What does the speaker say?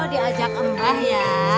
oh diajak embah ya